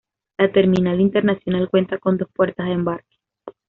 La terminal internacional cuenta con dos puertas de embarque.